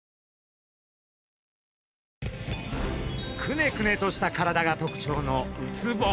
くねくねとした体が特徴のウツボ。